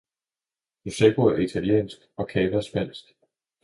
Prosecco er italiensk og Cava spansk.